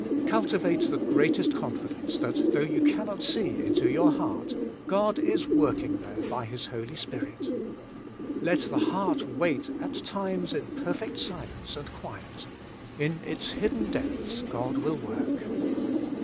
Cultivate the greatest confidence that, hough you cannot see into your heart, God is working there by His Holy Spirit. Let the heart wait at times in perfect silence and quiet ; in its hidden depths God will work.